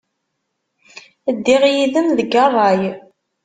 Ddiɣ yid-m deg ṛṛay.